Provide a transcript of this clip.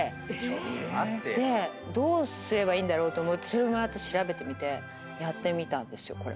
どうすればいいんだろうと思ってそれも調べてみてやってみたんですよ